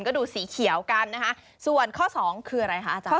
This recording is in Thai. ก็ดูสีเขียวกันนะคะส่วนข้อสองคืออะไรคะอาจารย์